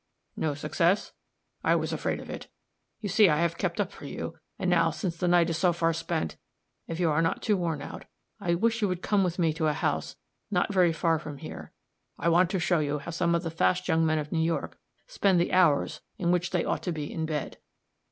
"No success? I was afraid of it. You see I have kept up for you; and now, since the night is so far spent, if you are not too worn out, I wish you would come with me to a house not very far from here. I want to show you how some of the fast young men of New York spend the hours in which they ought to be in bed."